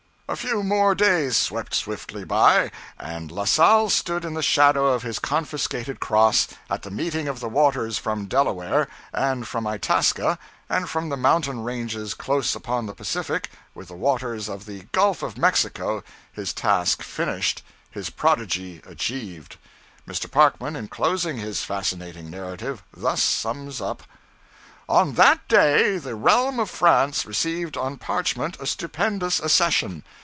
A few more days swept swiftly by, and La Salle stood in the shadow of his confiscating cross, at the meeting of the waters from Delaware, and from Itaska, and from the mountain ranges close upon the Pacific, with the waters of the Gulf of Mexico, his task finished, his prodigy achieved. Mr. Parkman, in closing his fascinating narrative, thus sums up: 'On that day, the realm of France received on parchment a stupendous accession.